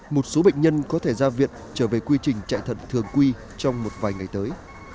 một số bệnh nhân có thể ra viện trở về quy trình chạy thận thường quy trong một vài ngày tới